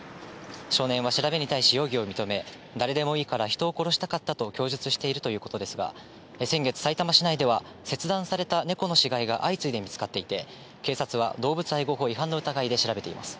少年は調べに対し容疑を認め、誰でもいいから、人を殺したかったと供述しているということですが、先月さいたま市内では、切断された猫の死骸が相次いで見つかっていて、警察は動物愛護法違反の疑いで調べています。